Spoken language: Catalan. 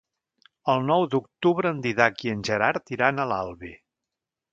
El nou d'octubre en Dídac i en Gerard iran a l'Albi.